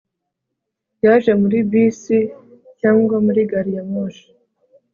yaje muri bisi cyangwa muri gari ya moshi